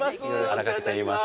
新垣といいます。